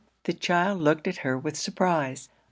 The child looked at her with surprise.